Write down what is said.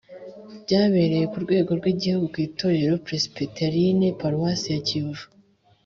byabereye ku rwego rw igihugu ku itorero presbyterienne paruwasi ya kiyovu